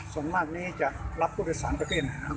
ส่วนมากนี้จะรับผู้โดยสารประเทศนะครับ